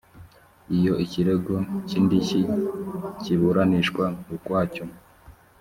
iyo ikirego cy indishyi kiburanishwa ukwacyo